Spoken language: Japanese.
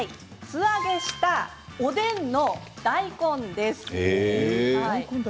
素揚げした、おでんの大根です。